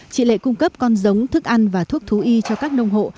chị lệ cung cấp con giống thức ăn và thuốc thú y cho các nông hộ